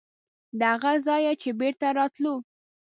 د هغه ځایه چې بېرته راتلو.